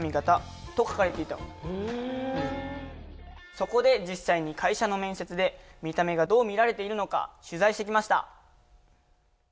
そこで実際に会社の面接で見た目がどう見られているのか取材してきました。